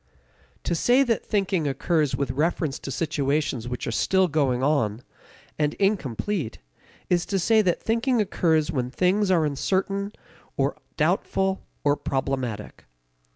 To say that thinking occurs with reference to situations which are still going on, and incomplete, is to say that thinking occurs when things are uncertain or doubtful or problematic.